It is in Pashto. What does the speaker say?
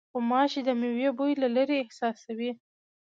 غوماشې د مېوې بوی له لېرې احساسوي.